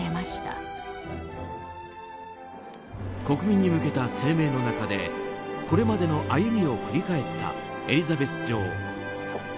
国民に向けた声明の中でこれまでの歩みを振り返ったエリザベス女王。